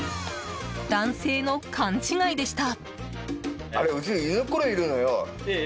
男性の勘違いでした。